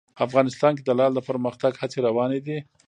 افغانستان کې د لعل د پرمختګ هڅې روانې دي.